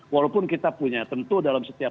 walaupun kita punya tentu dalam setiap